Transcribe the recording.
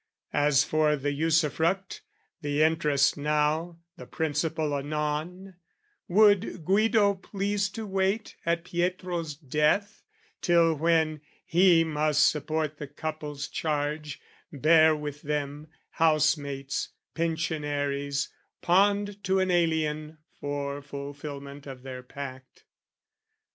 As for the usufruct The interest now, the principal anon, Would Guido please to wait, at Pietro's death: Till when, he must support the couple's charge, Bear with them, housemates, pensionaries, pawned To an alien for fulfilment of their pact.